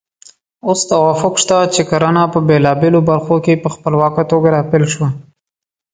اوس توافق شته چې کرنه په بېلابېلو برخو کې په خپلواکه توګه راپیل شوه.